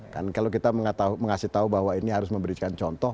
kan kalau kita mengasih tahu bahwa ini harus memberikan contoh